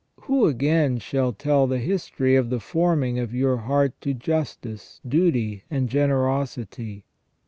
Who, again, shall tell the history of the forming of your heart to justice, duty, and generosity